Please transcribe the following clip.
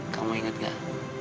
kau mau ingat gak